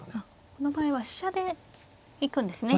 この場合は飛車で行くんですね。